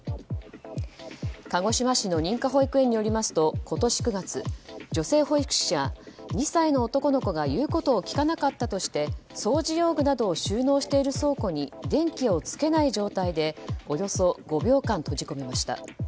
鹿児島市の認可保育園によりますと今年９月、女性保育士が２歳の男の子がいうことを聞かなかったとして掃除用具などを収納している倉庫に電気をつけない状態でおよそ５秒間閉じ込めました。